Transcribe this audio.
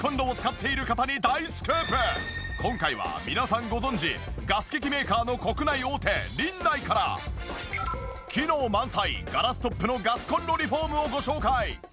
今回は皆さんご存じガス機器メーカーの国内大手リンナイから機能満載ガラストップのガスコンロリフォームをご紹介。